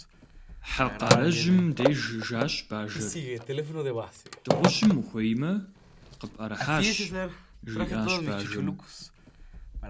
Хьэ къарэжьым деж жащ бажэр. - Дыгъужьым ухуеймэ, къыпӏэрыхьащ, - жиӏащ бажэм.